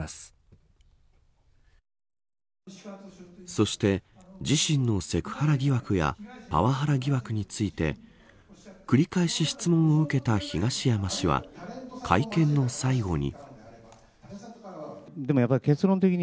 そして、自身のセクハラ疑惑やパワハラ疑惑について繰り返し質問を受けた東山氏は会見の最後に。